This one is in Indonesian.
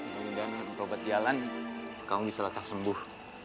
mudah mudahan berobat jalan kamu bisa letak sembuh